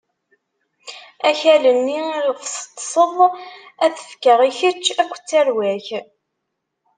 Akal-nni iɣef teṭṭṣeḍ, ad t-fkeɣ i kečč akked tarwa-k.